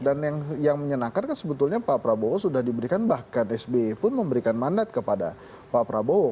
dan yang menyenangkan kan sebetulnya pak prabowo sudah diberikan bahkan sbi pun memberikan mandat kepada pak jokowi